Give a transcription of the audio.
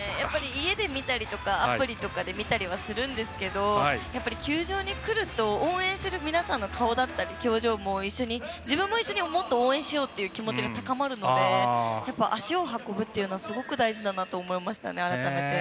家で見たりとかアプリで見たりするんですが球場にくると応援する皆さんの表情も自分で一緒に応援しようっていう気持ちが高まるので足を運ぶっていうのはすごく大事だなと思いました。